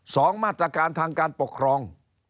สองมาตรการทางการปกครอง